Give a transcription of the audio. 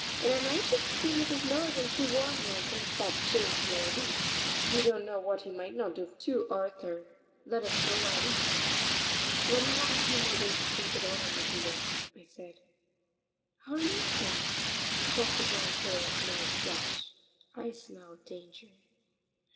And I'm anxious to see Mrs. Milligan to warn her against that James Milligan. You don't know what he might not do to Arthur. Let us go while we can." "Let me have a few more days to think it over, Mattia," I said. "Hurry up, then. Jack the Giant Killer smelled flesh I smell danger."